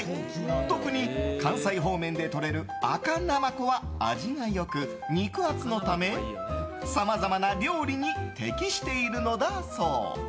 特に、関西方面でとれる赤ナマコは味が良く、肉厚のためさまざまな料理に適しているのだそう。